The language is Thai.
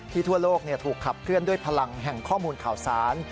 ทั่วโลกถูกขับเคลื่อนด้วยพลังแห่งข้อมูลข่าวสาร